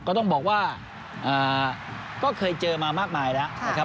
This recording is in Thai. ก็ต้องบอกว่าก็เคยเจอมามากมายแล้วนะครับ